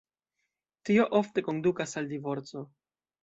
Tio ofte kondukas al divorco.